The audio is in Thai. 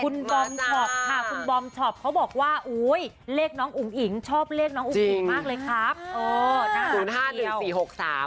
คุณบอมช็อปค่ะคุณบอมช็อปเขาบอกว่าอุ้ยเลขน้องอุ๋งอิ๋งชอบเลขน้องอุ้งอิงมากเลยครับ